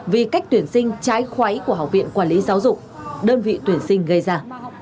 vì cách tuyển sinh trái của học viện quản lý giáo dục đơn vị tuyển sinh gây ra